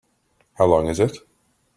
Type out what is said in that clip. How long is it?